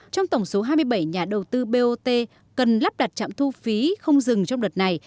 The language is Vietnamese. trong tổng số hai mươi bảy nhà đầu tư bot cần lắp đặt trạm thu phí không dừng trong đợt này